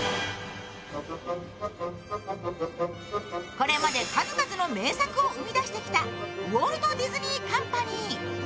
これまで数々の名作を生み出してきたウォルト・ディズニー・カンパニー。